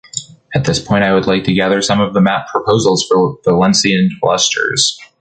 At this point, I would like to gather some of the map proposals for Valencian clusters.